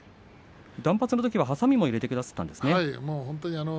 断髪のときには、はさみも入れてくださったんですね。